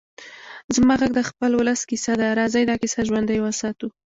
زما غږ د خپل ولس کيسه ده؛ راځئ دا کيسه ژوندۍ وساتو.